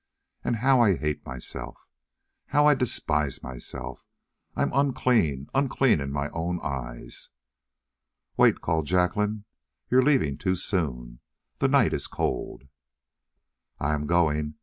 Ah, how I hate myself: how I despise myself. I'm unclean unclean in my own eyes!" "Wait!" called Jacqueline. "You are leaving too soon. The night is cold." "I am going.